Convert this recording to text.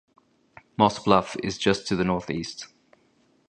Moss Bluff is just to the northeast.